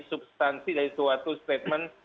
substansi dari suatu statement